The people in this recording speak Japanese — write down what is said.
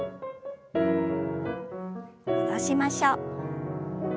戻しましょう。